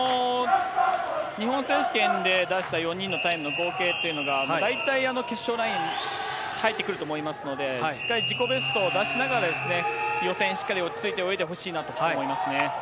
日本選手権で出した４人のタイムの合計というのが、大体決勝ライン入ってくると思いますので、しっかり自己ベストを出しながら、予選、しっかり落ち着いて泳いでほしいなと思いますね。